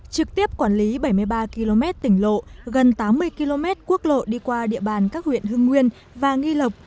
trực tiếp quản lý bảy mươi ba km tỉnh lộ gần tám mươi km quốc lộ đi qua địa bàn các huyện hưng nguyên và nghi lộc